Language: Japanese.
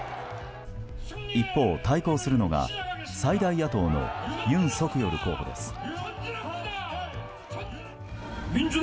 一方、対抗するのが最大野党のユン・ソクヨル候補です。